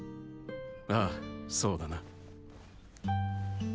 ああそうだな。